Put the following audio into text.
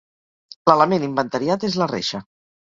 L'element inventariat és la reixa.